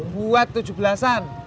buat tujuh belasan